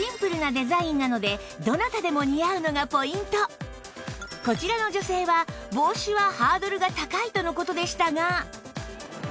そうこちらの女性は帽子はハードルが高いとの事でしたが